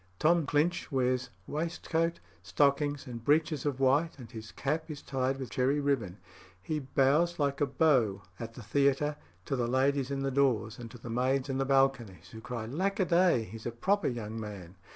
Tom Clinch wears waistcoat, stockings, and breeches of white, and his cap is tied with cherry ribbon. He bows like a beau at the theatre to the ladies in the doors and to the maids in the balconies, who cry, "Lackaday, he's a proper young man."